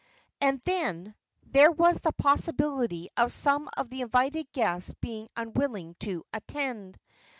And then, there was the possibility of some of the invited guests being unwilling to attend.